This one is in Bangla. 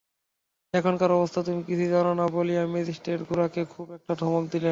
এখানকার অবস্থা তুমি কিছুই জান না বলিয়া ম্যাজিস্ট্রেট গোরাকে খুব একটা ধমক দিলেন।